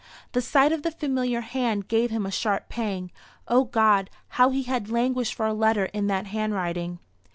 The sight of the familiar hand gave him a sharp pang. O God, how he had languished for a letter in that handwriting!